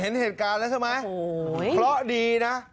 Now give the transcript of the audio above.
เห็นเหตุการณ์แล้วใช่มั้ย